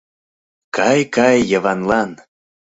КАЙ, КАЙ ЙЫВАНЛАН...